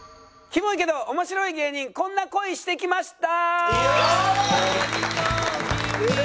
キモイけど面白い芸人こんな恋してきました！